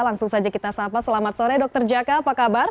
langsung saja kita sapa selamat sore dr jaka apa kabar